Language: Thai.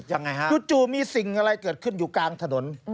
อย่างรู้จุมีสิ่งอะไรก็เกิดขึ้นอยู่กลางถนน